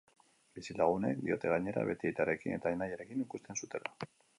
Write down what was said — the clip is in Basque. Bizilagunek diote gainera, beti aitarekin eta anaiarekin ikusten zutela.